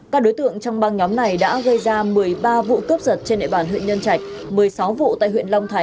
các đối tượng trong băng nhóm này đã gây ra một mươi ba vụ cướp giật trên địa bàn huyện nhân trạch